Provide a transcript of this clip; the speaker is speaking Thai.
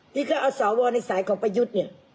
ที่สาหว่าในสายประยุทธ